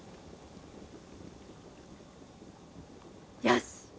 よし！